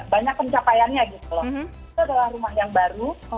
yang paling menantang buat saya ini adalah banyak pencapaiannya gitu loh